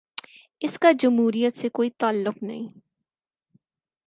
اس کا جمہوریت سے کوئی تعلق نہیں۔